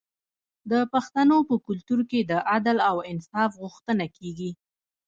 د پښتنو په کلتور کې د عدل او انصاف غوښتنه کیږي.